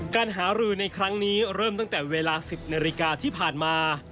การหารือในครั้งนี้เริ่มตั้งแต่เวลา๑๐นาฬิกาที่ผ่านมา